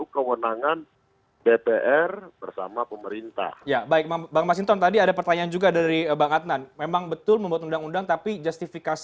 kpk adalah pembangunan negara